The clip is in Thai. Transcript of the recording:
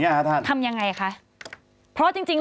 ถ้าไม่แน่ใจถ้าอยู่ในกรุงเซียง